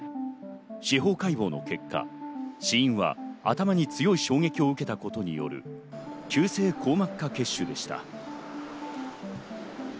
司法解剖の結果、死因は頭に強い衝撃を受けたことによる急性硬膜化血腫でした。